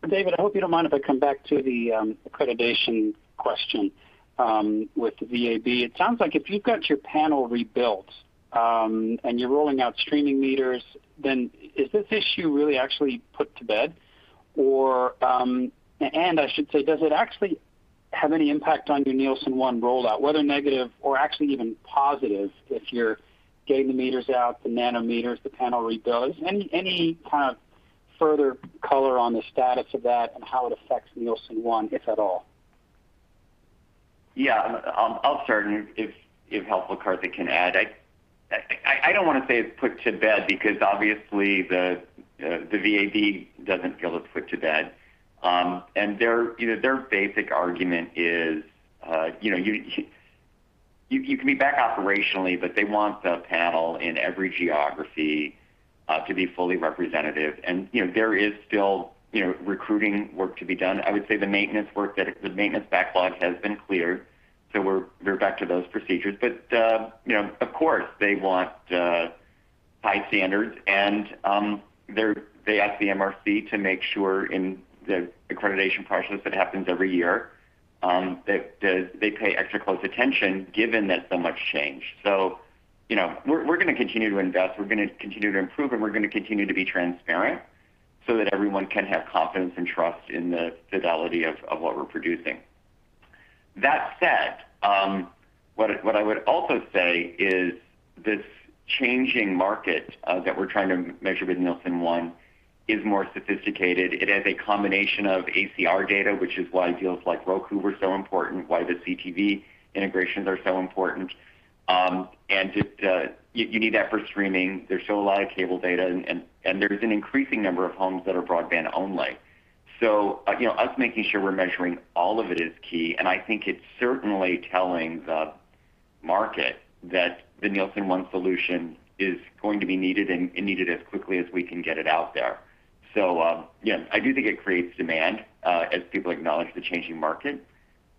David, I hope you don't mind if I come back to the accreditation question with the VAB. It sounds like if you've got your panel rebuilt, and you're rolling out streaming meters, is this issue really actually put to bed? And I should say, does it actually have any impact on your Nielsen ONE rollout, whether negative or actually even positive if you're getting the meters out, the nano meters, the panel rebuild? Is any kind of further color on the status of that and how it affects Nielsen ONE, if at all? Yeah. I'll start and if helpful, Karthik can add. I don't want to say it's put to bed because obviously the VAB doesn't feel it's put to bed. Their basic argument is you can be back operationally, but they want the panel in every geography to be fully representative. There is still recruiting work to be done. I would say the maintenance work, the maintenance backlog has been cleared. We're back to those procedures. Of course, they want high standards and they ask the MRC to make sure in the accreditation process that happens every year that they pay extra close attention given that so much changed. We're going to continue to invest, we're going to continue to improve, and we're going to continue to be transparent so that everyone can have confidence and trust in the fidelity of what we're producing. That said, what I would also say is this changing market that we're trying to measure with Nielsen ONE is more sophisticated. It has a combination of ACR data, which is why deals like Roku were so important, why the CTV integrations are so important. You need that for streaming. There's still a lot of cable data and there's an increasing number of homes that are broadband only. Us making sure we're measuring all of it is key, and I think it's certainly telling the market that the Nielsen ONE solution is going to be needed and needed as quickly as we can get it out there. Yes, I do think it creates demand as people acknowledge the changing market.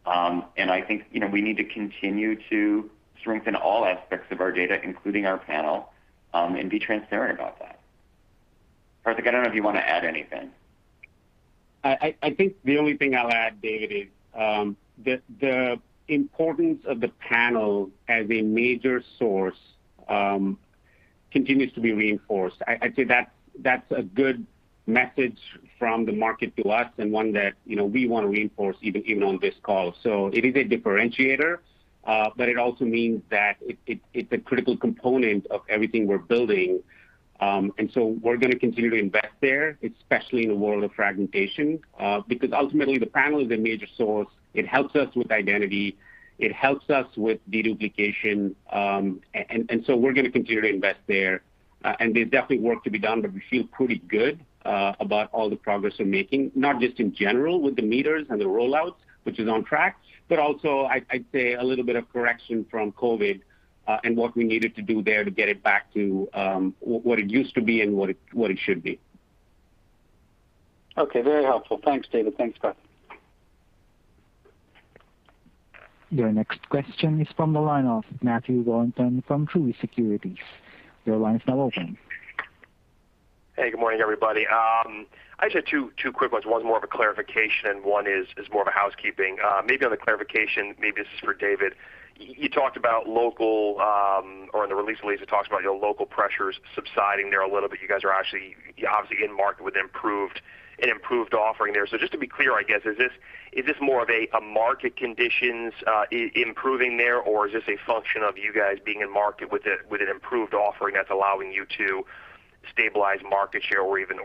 I think we need to continue to strengthen all aspects of our data, including our panel and be transparent about that. Karthik, I don't know if you want to add anything. I think the only thing I'll add, David, is the importance of the panel as a major source continues to be reinforced. I'd say that's a good message from the market to us and one that we want to reinforce even on this call. It is a differentiator, but it also means that it's a critical component of everything we're building. We're going to continue to invest there, especially in the world of fragmentation because ultimately the panel is a major source. It helps us with identity, it helps us with de-duplication. We're going to continue to invest there. There's definitely work to be done, but we feel pretty good about all the progress we're making, not just in general with the meters and the rollouts, which is on track, but also, I'd say a little bit of correction from COVID and what we needed to do there to get it back to what it used to be and what it should be. Okay, very helpful. Thanks, David. Thanks, Linda. Your next question is from the line of Matt Niknam from Truist Securities. Your line is now open. Hey, good morning, everybody. I just had two quick ones. One's more of a clarification, and one is more of a housekeeping. Maybe on the clarification, maybe this is for David. You talked about local, or in the release, at least, it talks about your local pressures subsiding there a little bit. You guys are obviously in market with an improved offering there. Just to be clear, I guess, is this more of a market conditions improving there, or is this a function of you guys being in market with an improved offering that's allowing you to stabilize market share or even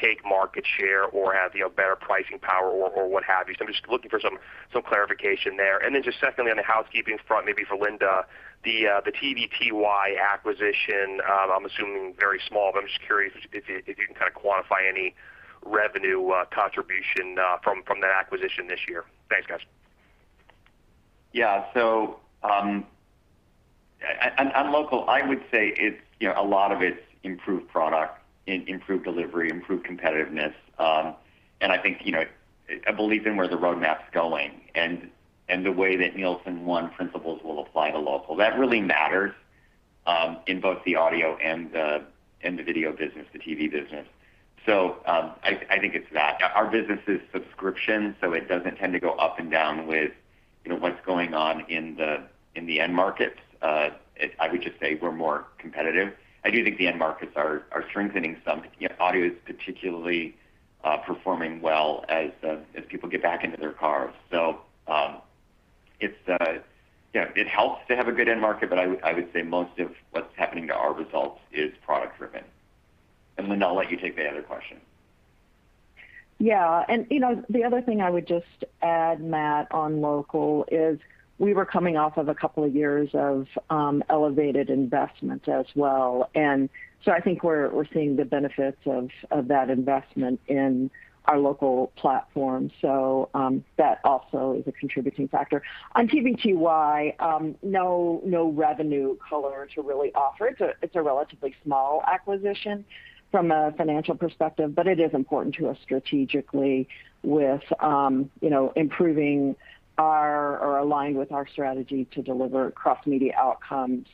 take market share or have better pricing power or what have you? I'm just looking for some clarification there. Secondly, on the housekeeping front, maybe for Linda, the TVTY acquisition, I'm assuming very small, but I'm just curious if you can quantify any revenue contribution from that acquisition this year. Thanks, guys. Yeah. On local, I would say a lot of it's improved product, improved delivery, improved competitiveness. I believe in where the roadmap's going and the way that Nielsen ONE principles will apply to local. That really matters in both the audio and the video business, the TV business. I think it's that. Our business is subscription, so it doesn't tend to go up and down with what's going on in the end markets. I would just say we're more competitive. I do think the end markets are strengthening some. Audio is particularly performing well as people get back into their cars. It helps to have a good end market, but I would say most of what's happening to our results is product-driven. Linda, I'll let you take the other question. Yeah. The other thing I would just add, Matt, on local is we were coming off of a couple of years of elevated investment as well. I think we're seeing the benefits of that investment in our local platform. That also is a contributing factor. On TVTY, no revenue color to really offer. It's a relatively small acquisition from a financial perspective, but it is important to us strategically with improving or aligned with our strategy to deliver cross-media outcomes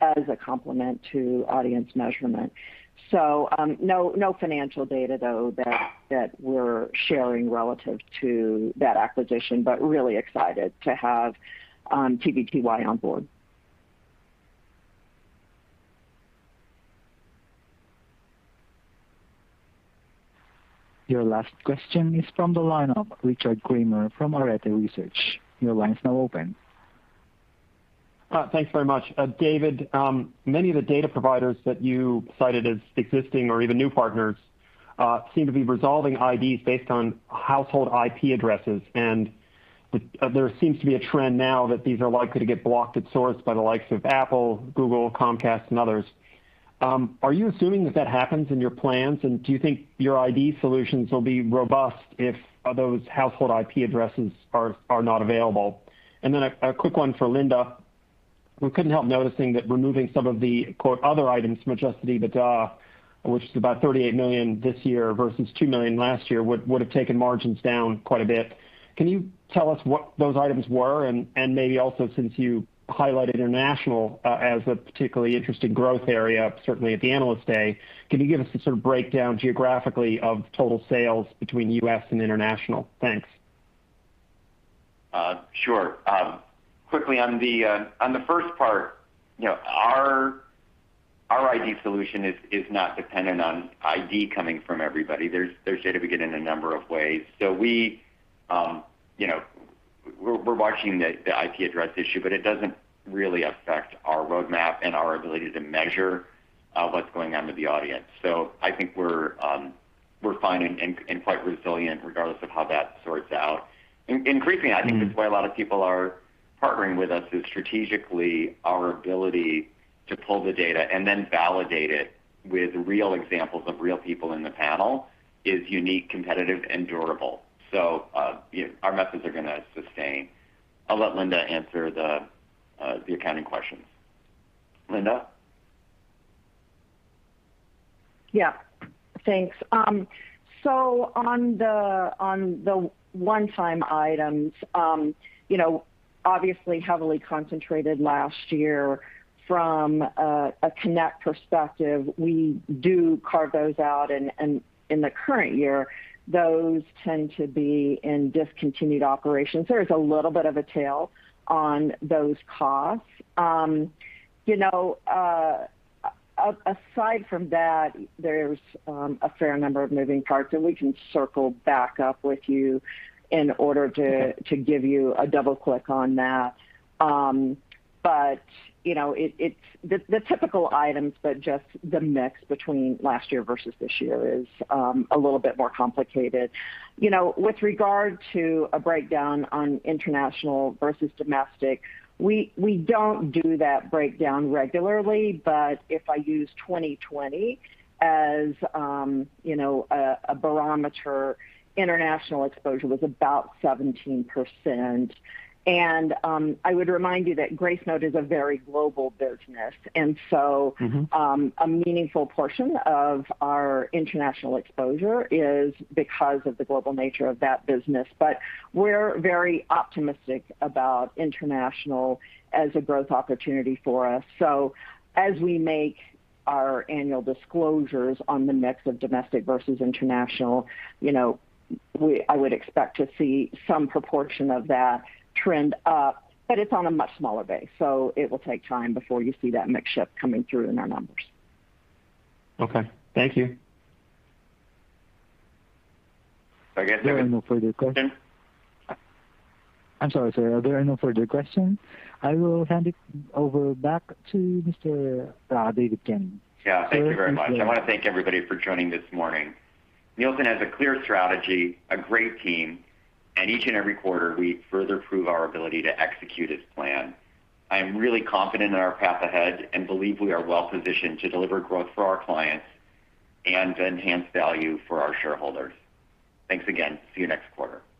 as a complement to audience measurement. No financial data, though, that we're sharing relative to that acquisition, but really excited to have TVTY on board. Your last question is from the line of Richard Kramer from Arete Research. Your line is now open. Thanks very much. David, many of the data providers that you cited as existing or even new partners seem to be resolving IDs based on household IP addresses. There seems to be a trend now that these are likely to get blocked at source by the likes of Apple, Google, Comcast, and others. Are you assuming that that happens in your plans, and do you think your ID solutions will be robust if those household IP addresses are not available? A quick one for Linda. We couldn't help noticing that removing some of the, quote, "other items" from adjusted EBITDA, which is about $38 million this year versus $2 million last year, would have taken margins down quite a bit. Can you tell us what those items were? Maybe also, since you highlighted international as a particularly interesting growth area, certainly at the Analyst Day, can you give us a breakdown geographically of total sales between U.S. and international? Thanks. Sure. Quickly on the first part, our ID solution is not dependent on ID coming from everybody. There's data we get in a number of ways. We're watching the IP address issue, but it doesn't really affect our roadmap and our ability to measure what's going on with the audience. I think we're fine and quite resilient regardless of how that sorts out. Increasingly, I think that's why a lot of people are partnering with us is strategically our ability to pull the data and then validate it with real examples of real people in the panel is unique, competitive, and durable. Our methods are going to sustain. I'll let Linda answer the accounting questions. Linda? Yeah. Thanks. On the one-time items, obviously heavily concentrated last year from a Connect perspective. We do carve those out, and in the current year, those tend to be in discontinued operations. There is a little bit of a tail on those costs. Aside from that, there's a fair number of moving parts that we can circle back up with you in order to give you a double-click on that. It's the typical items, but just the mix between last year versus this year is a little bit more complicated. With regard to a breakdown on international versus domestic, we don't do that breakdown regularly, but if I use 2020 as a barometer, international exposure was about 17%. I would remind you that Gracenote is a very global business. A meaningful portion of our international exposure is because of the global nature of that business. We're very optimistic about international as a growth opportunity for us. As we make our annual disclosures on the mix of domestic versus international, I would expect to see some proportion of that trend up, but it's on a much smaller base, so it will take time before you see that mix shift coming through in our numbers. Okay. Thank you. I guess there- There are no further questions. I'm sorry, sir. Are there any further questions? I will hand it over back to Mr. David Kenny. Yeah. Thank you very much. I want to thank everybody for joining this morning. Nielsen has a clear strategy, a great team, and each and every quarter, we further prove our ability to execute its plan. I am really confident in our path ahead and believe we are well-positioned to deliver growth for our clients and enhance value for our shareholders. Thanks again. See you next quarter. Bye.